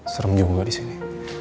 serem juga disini